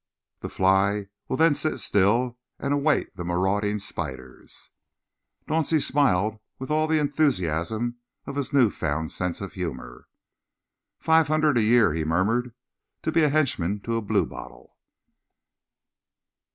The fly will then sit still and await the marauding spiders." Dauncey smiled with all the enthusiasm of his new found sense of humour. "Five hundred a year," he murmured, "to be henchman to a bluebottle!"